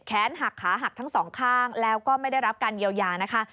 หักขาหักทั้งสองข้างแล้วก็ไม่ได้รับการเยียวยานะคะ